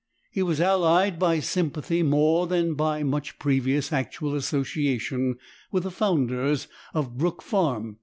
He was allied by sympathy more than by much previous actual association with the founders of Brook Farm.